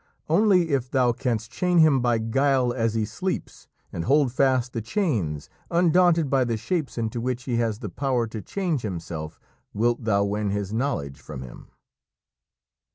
Only if thou canst chain him by guile as he sleeps and hold fast the chains, undaunted by the shapes into which he has the power to change himself, wilt thou win his knowledge from him."